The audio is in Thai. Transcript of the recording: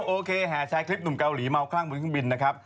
โอเคแห่แชร์คลิปหนุ่มเกาหลีเมาคลั่งบนเครื่องบินนะครับ